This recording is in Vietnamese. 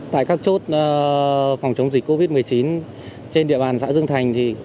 tại các chốt phòng chống dịch covid một mươi chín trên địa bàn xã dương thành